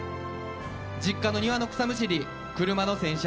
実家の庭の草むしり、車の洗車